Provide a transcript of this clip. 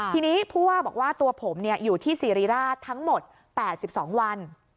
ทีนี้ผู้ว่าบอกว่าตัวผมอยู่ที่สิริราชทั้งหมด๘๒วัน